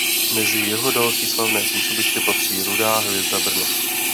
Mezi jeho další slavné působiště patří Rudá hvězda Brno.